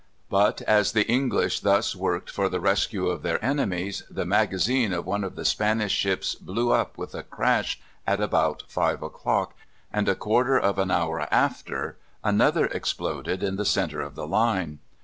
] But as the English thus worked for the rescue of their enemies, the magazine of one of the Spanish ships blew up with a crash at about five o'clock, and a quarter of an hour after another exploded in the centre of the line.